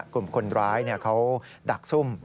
กลุ่มคนร้ายเขาดักซุ่ม